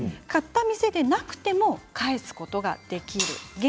買った店でなくても返すことができるんです。